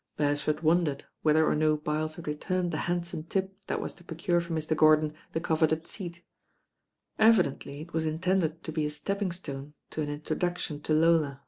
Beresford wondered <»w 182 THE RAIN GIRL whether or no Byles had returned the handsome tip that was to procure for Mr. Gordon the coveted seat. Evidently it was intended to be a stepping stone to an introduction to Lola.